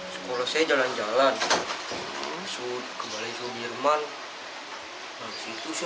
sekolah saya jalan jalan kembali ke birman